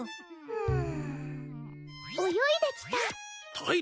うん。